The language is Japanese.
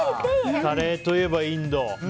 カレーといえばインド。